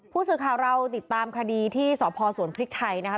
ผู้สื่อข่าวเราติดตามคดีที่สพสวนพริกไทยนะคะ